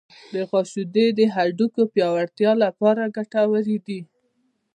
د غوا شیدې د هډوکو پیاوړتیا لپاره ګټورې دي.